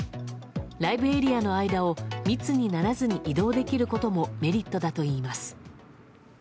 ライブエリアの間を密にならずに移動できることもメリットだといいます。